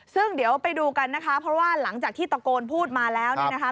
ซึ่งเดี๋ยวไปดูกันนะคะเพราะว่าหลังจากที่ตะโกนพูดมาแล้วเนี่ยนะคะ